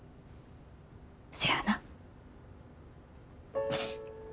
せやな。